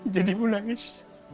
jadi mulai nangis